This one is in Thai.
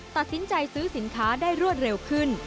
ตัดสินใจซื้อสินค้าได้รวดเร็วขึ้น